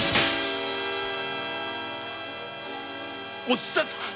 お蔦さん